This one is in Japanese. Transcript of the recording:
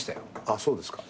あっそうですか。